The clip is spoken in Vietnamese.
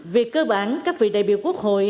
vì cơ bản các vị đại biểu quốc hội